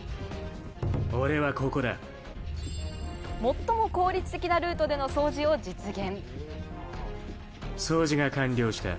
最も効率的なルートでの掃除を実現。